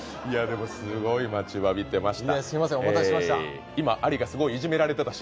すごい待ちわびていました。